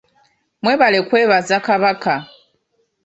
Mwebale kwebaza Kabaka.